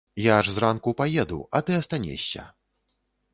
Я ж зранку паеду, а ты астанешся.